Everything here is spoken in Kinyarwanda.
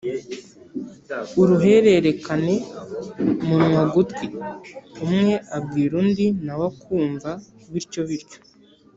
uruhererekane munwa-gutwi: umwe abwira undi na we akumva bityo bityo